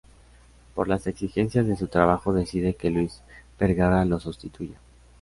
Por las exigencias de su trabajo decide que Luis Vergara lo sustituya.